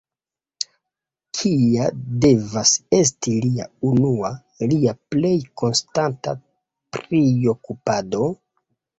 Kia devas esti lia unua, lia plej konstanta priokupado?